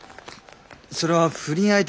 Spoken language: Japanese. それは不倫相手を。